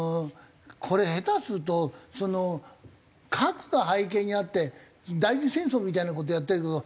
これ下手すると核が背景にあって代理戦争みたいな事やってるけど。